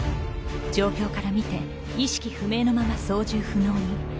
状況から見て意識不明のまま操縦不能に。